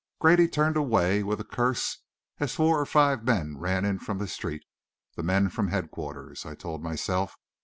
Grady turned away with a curse as four or five men ran in from the street the men from headquarters, I told myself.